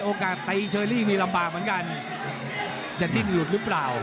โอกาสตีเชอรี่นี่ลำบากเหมือนกันจะดิ้นหลุดหรือเปล่า